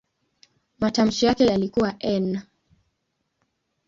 Matamshi yake yalikuwa "n".